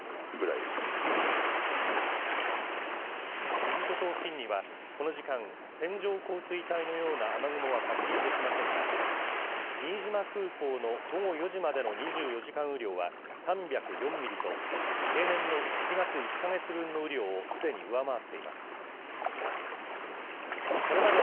伊豆諸島付近には、この時間、線状降水帯のような雨雲は確認できませんが、新島空港の午後４時までの２４時間雨量は３０４ミリと、平年の７月１か月分の雨量をすでに上回っています。